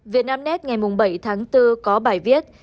việt nam net ngày bảy tháng bốn có bài viết